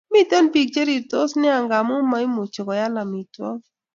Miten pik che rirtos nea ngamu maimuche koyal amitwakik